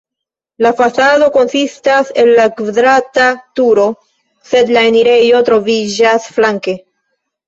La fasado konsistas el la kvadrata turo, sed la enirejo troviĝas flanke.